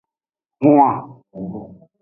Hwan.